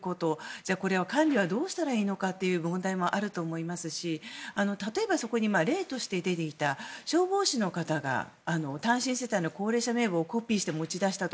じゃあ、これは管理はどうしたらいいのかという問題もあると思いますし例えば、そこに例として出ていた消防士の方が単身世帯の高齢者名簿をコピーして持ち出したと。